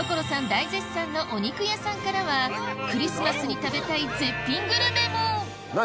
大絶賛のお肉屋さんからはクリスマスに食べたい絶品グルメも何？